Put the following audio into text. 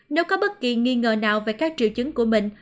nếu có bất kỳ nghi ngờ nào về các triệu chứng của mình